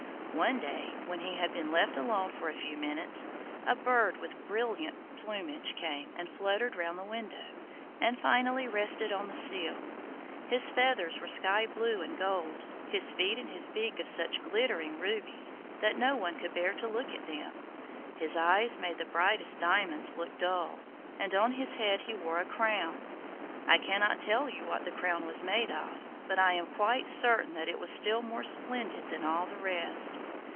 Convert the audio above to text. One day, when he had been left alone for a few minutes, a bird with brilliant plumage came and fluttered round the window, and finally rested on the sill. His feathers were sky blue and gold, his feet and his beak of such glittering rubies that no one could bear to look at them, his eyes made the brightest diamonds look dull, and on his head he wore a crown. I cannot tell you what the crown was made of, but I am quite certain that it was still more splendid than all the rest.